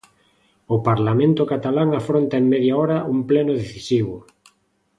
O Parlamento catalán afronta en media hora un pleno decisivo.